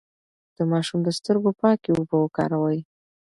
د ماشوم د سترګو پاکې اوبه وکاروئ.